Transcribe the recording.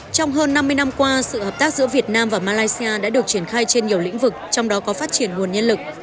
trong hơn năm mươi năm qua sự hợp tác giữa việt nam và malaysia đã được triển khai trên nhiều lĩnh vực trong đó có phát triển nguồn nhân lực